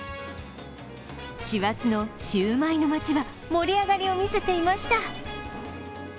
師走のシューマイの町は盛り上がりを見せていました。